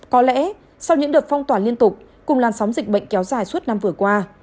có lẽ sau những đợt phong tỏa liên tục cùng làn sóng dịch bệnh kéo dài suốt năm vừa qua